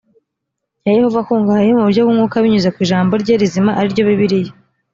ya yehova akungahaye yo mu buryo bw umwuka binyuze ku ijambo rye rizima ari ryo bibiliya